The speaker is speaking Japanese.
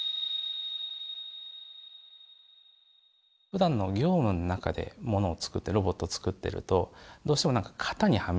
ふだんの業務の中でものを作ってロボットを作ってるとどうしても何か型にはまっていくんですよね